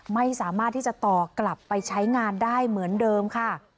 ไม่สามารถที่จะต่อกลับไปใช้งานได้เหมือนเดิมค่ะ